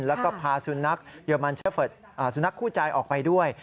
แล้วก็พาสุนัขเยอรมันสุนัขคู่ใจออกไปด้วย